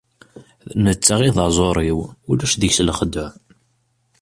D netta i d aẓru-iw, ulac deg-s lexdeɛ.